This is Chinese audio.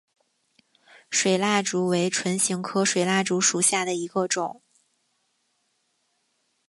水蜡烛为唇形科水蜡烛属下的一个种。